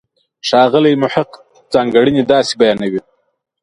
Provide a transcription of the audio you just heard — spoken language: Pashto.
ښاغلی محق ځانګړنې داسې بیانوي.